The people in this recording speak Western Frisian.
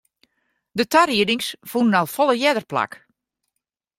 De tariedings fûnen al folle earder plak.